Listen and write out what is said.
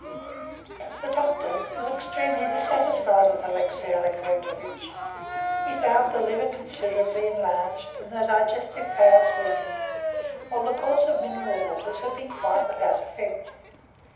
The doctor was extremely dissatisfied with Alexey Alexandrovitch. He found the liver considerably enlarged, and the digestive powers weakened, while the course of mineral waters had been quite without effect.